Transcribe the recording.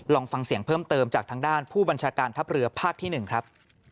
ลองฟังเสียงเพิ่มเติมจากทางด้านผู้บัญชาการทัพเรือภาคที่๑ครับ